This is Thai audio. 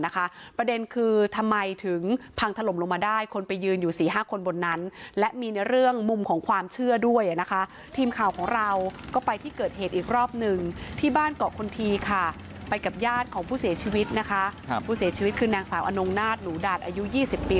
ของผู้เสียชีวิตนะคะผู้เสียชีวิตคือนางสาวอนงนาฏหนูดาดอายุ๒๐ปี